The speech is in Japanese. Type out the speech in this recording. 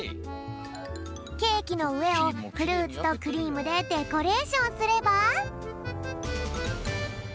ケーキのうえをフルーツとクリームでデコレーションすれば。